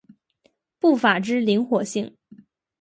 步法之灵活性。